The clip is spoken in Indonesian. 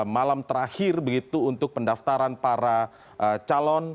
malam terakhir begitu untuk pendaftaran para calon